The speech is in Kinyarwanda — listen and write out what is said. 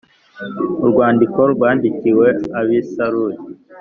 Urwandiko rwandikiwe ab i Sarudi